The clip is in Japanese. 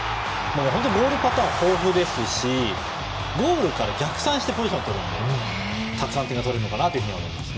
ゴールパターンが豊富ですしゴールから逆算してポジションをとるのでたくさん点が取れているんだと思います。